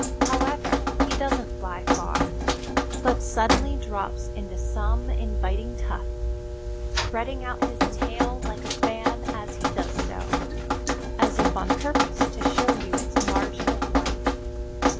However, he doesn't fly far, but suddenly drops into some inviting tuft, spreading out his tail like a fan as he does so, as if on purpose to show you its margin of white.